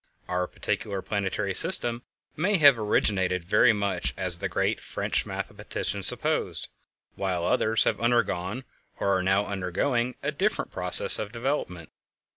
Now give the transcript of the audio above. Our particular planetary system may have originated very much as the great French mathematician supposed, while others have undergone, or are now undergoing, a different process of development.